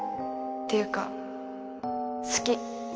ていうか好き